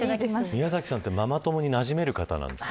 宮崎さんってママ友になじめる方なんですか。